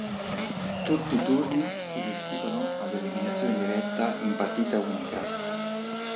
Tutti i turni si disputano ad eliminazione diretta in partita unica.